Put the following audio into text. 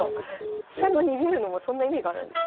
飛車の逃げるのもそんな意味があるんですね。